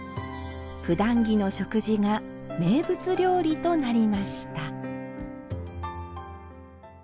ふだん着の食事が名物料理となりました。